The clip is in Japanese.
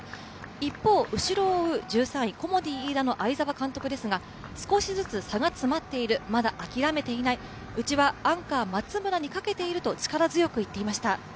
一方、後ろを追う１３位、コモディイイダの会沢監督は少しずつ差が詰まっているまだ諦めていない、うちはアンカー・松村にかけていると力強く言っていました。